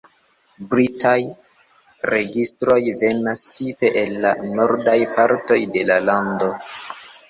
Britaj registroj venas tipe el la nordaj partoj de la lando.